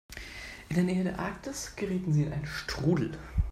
In der Nähe der Arktis gerieten sie in einen Strudel.